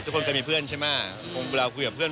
เคยมีเพื่อนใช่ไหมเวลาคุยกับเพื่อน